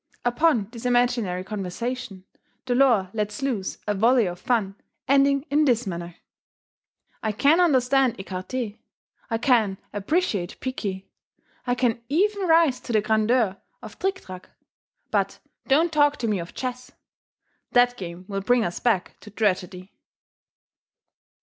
Upon this imaginary conversation, Delord lets loose a volley of fun, ending in this manner: "I can understand Ecarté, I can appreciate Picquet, I can even rise to the grandeur of Tric Trac, but don't talk to me of Chess. That game will bring us back to tragedy."